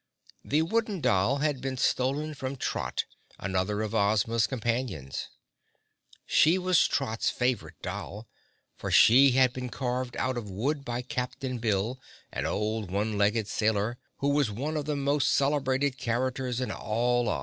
The wooden doll had been stolen from Trot, another of Ozma's companions. She was Trot's favorite doll, for she had been carved out of wood by Captain Bill, an old one legged sailor, who was one of the most celebrated characters in all Oz.